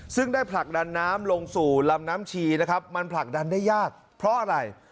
ซึ่งได้ผลักดันน้ำลงสู่ลำน้ำชีนะครับมันผลักดันได้ยากเพราะอะไร